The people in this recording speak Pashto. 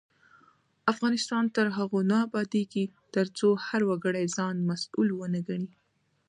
افغانستان تر هغو نه ابادیږي، ترڅو هر وګړی ځان مسؤل ونه ګڼي.